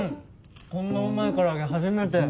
こんなうまい唐揚げ初めて！